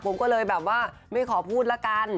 ผมก็เลยแบบว่าไม่ขอพูดละกัน